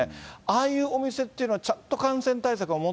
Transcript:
ああいうお店っていうのは、ちゃんと感染対策守っ